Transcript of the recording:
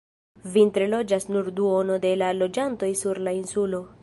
Vintre loĝas nur duono de la loĝantoj sur la insulo.